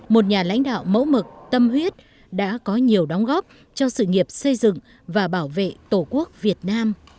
một nhà lãnh đạo mẫu mực tâm huyết đã có nhiều đóng góp cho sự nghiệp xây dựng và bảo vệ tổ quốc việt nam